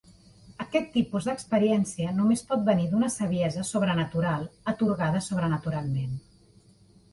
Aquest tipus d'experiència només pot venir d'una saviesa sobrenatural atorgada sobrenaturalment.